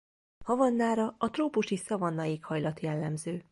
Havannára a trópusi szavanna éghajlat jellemző.